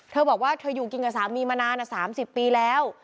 เธอบอกว่าเธออยู่กินกับสามีมานาน๓๐ปีแล้ว